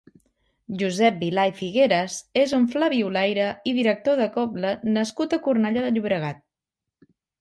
Josep Vilà i Figueras és un flabiolaire i director de cobla nascut a Cornellà de Llobregat.